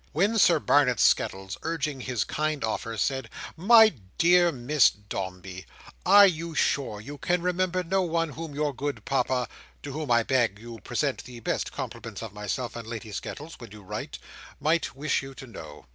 When Sir Barnet Skettles, urging his kind offer, said, "My dear Miss Dombey, are you sure you can remember no one whom your good Papa—to whom I beg you present the best compliments of myself and Lady Skettles when you write—might wish you to know?"